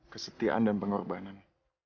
kesetiaan dan pengorbanan